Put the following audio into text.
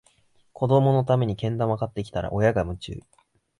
子どものためにけん玉買ってきたら、親が夢中